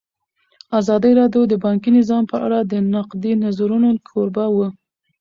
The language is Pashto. ازادي راډیو د بانکي نظام په اړه د نقدي نظرونو کوربه وه.